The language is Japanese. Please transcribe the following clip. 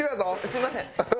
すみません。